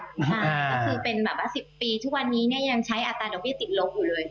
ก็คือเป็นแบบว่า๑๐ปีทุกวันนี้เนี่ยยังใช้อัตราดอกเบี้ยติดลบอยู่เลย